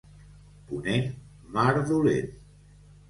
Ponent, mar dolent.